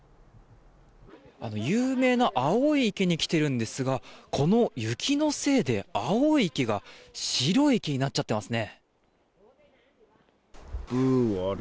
有名な青い池に来ているんですがこの雪のせいで青い池が白い池になっていますね。